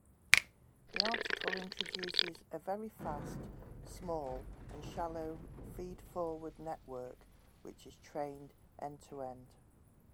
The article introduces a very fast, small, and shallow feed-forward network which is trained end-to-end.